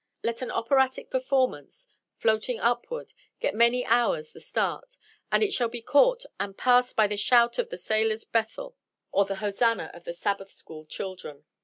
Let an operatic performance, floating upward, get many hours the start, and it shall be caught and passed by the shout of the Sailors' Bethel, or the hosanna of the Sabbath school children.